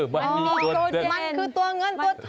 มันคือตัวเงินตัวทอง